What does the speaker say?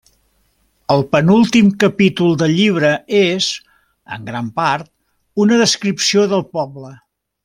El penúltim capítol del llibre és, en gran part, una descripció del poble.